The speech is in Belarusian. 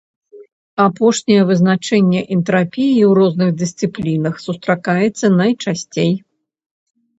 Апошняе вызначэнне энтрапіі ў розных дысцыплінах сустракаецца найчасцей.